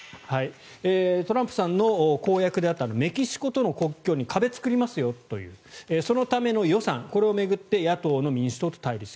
トランプさんの公約であったメキシコとの国境に壁を造りますよというそのための予算、これを巡って野党の民主党と対立。